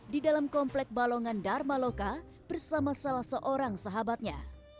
di dalam komplek balongan dharma loka bersama salah seorang sahabatnya